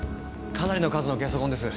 かなりの数のゲソ痕です。